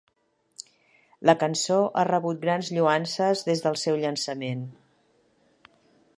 La cançó ha rebut grans lloances des del seu llançament.